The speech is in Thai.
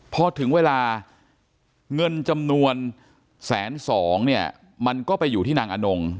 พอถึงเวลาเงินจำนวนแสนสองเนี่ยมันก็ไปอยู่ที่นางอนง